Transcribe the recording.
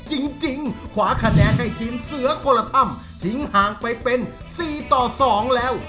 จริงจริงขวาคะแนนให้ทีมเสือกล่ำทิ้งห่างไปเป็นสี่ต่อสองแล้ว